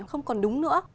không còn đúng nữa